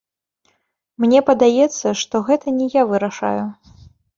Мне падаецца, што гэта не я вырашаю.